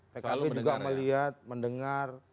pkb juga melihat mendengar